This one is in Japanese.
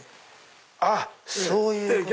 あっそういうこと！